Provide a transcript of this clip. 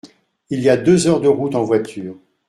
Il y a deux heures de route en voiture.